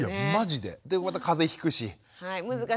でまた風邪ひくし。